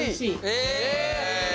へえ！